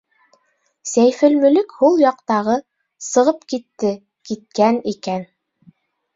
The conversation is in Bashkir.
Сәйфелмөлөк Һул яҡтағы Сығып китте Киткән икән...